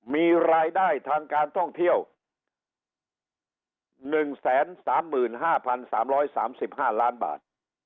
มีรายได้ทางการท่องเที่ยวหนึ่งแสนสามหมื่นห้าพันสามร้อยสามสิบห้าล้านบาท